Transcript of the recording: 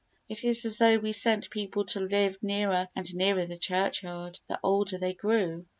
It is as though we sent people to live nearer and nearer the churchyard the older they grew.